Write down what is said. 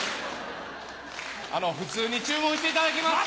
普通に注文していただけますか？